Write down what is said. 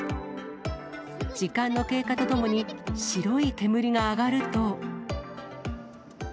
時間の経過とともに、白い煙が上がると。